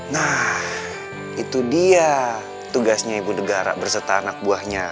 nah itu dia tugasnya ibu negara berserta anak buahnya